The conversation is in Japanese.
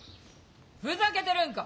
ふざけてるんか！